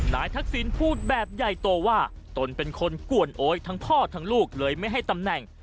ทักษิณพูดแบบใหญ่โตว่าตนเป็นคนกวนโอ๊ยทั้งพ่อทั้งลูกเลยไม่ให้ตำแหน่ง